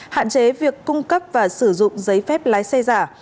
hạn chế việc cung cấp và sử dụng giấy phép lái xe giả